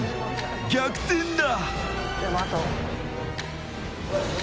逆転だ。